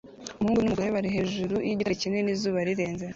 Umuhungu numugore bari hejuru yigitare kinini izuba rirenze